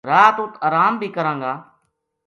رات ات اَرام بی کراں گا